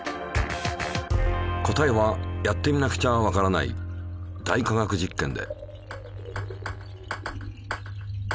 答えはやってみなくちゃわからない「大科学実験」で。